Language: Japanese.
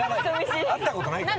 会ったことないから。